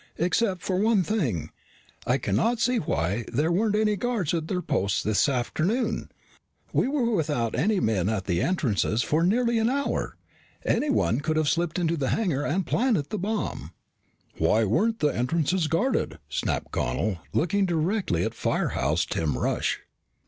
"Except for one thing. I cannot see why there weren't any guards at their posts this afternoon. We were without any men at the entrances for nearly an hour. Anyone could have slipped into the hangar and planted the bomb." "Why weren't the entrances guarded?" snapped Connel, looking directly at Firehouse Tim Rush.